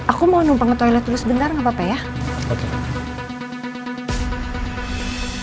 aku mau numpang ke toilet dulu sebentar nggak apa apa ya